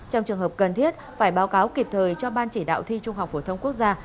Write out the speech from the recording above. trong trường hợp cần thiết phải báo cáo kịp thời cho ban chỉ đạo thi trung học phổ thông quốc gia